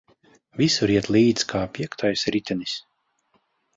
Visur iet līdz kā piektais ritenis.